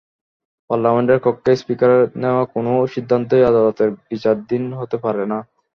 পার্লামেন্টের কক্ষে স্পিকারের নেওয়া কোনো সিদ্ধান্তই আদালতের বিচারাধীন হতে পারে না।